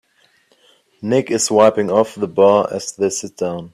Nick is wiping off the bar as they sit down.